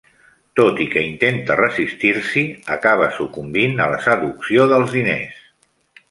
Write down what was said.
Tot i que intenta resistir-s'hi, acaba sucumbint a la seducció dels diners.